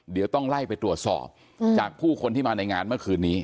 เดี๋ยวต้องไล่ไปตรวจสอบจากผู้คนที่มาในงานเมื่อคืนนี้